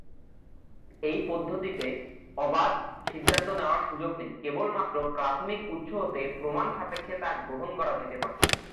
এই পদ্ধতিতে অবাধ সিদ্ধান্ত নেওয়ার সুযোগ নেই, কেবল মাত্র প্রাথমিক উৎস হতে প্রমাণ সাপেক্ষে তা গ্রহণ করা যেতে পারে।